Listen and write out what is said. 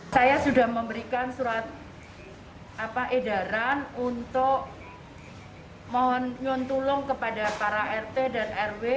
saya sudah memberikan surat edaran untuk mohon nyuntulong kepada para rt dan rw